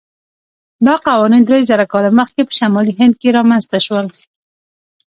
دا قوانین درېزره کاله مخکې په شمالي هند کې رامنځته شول.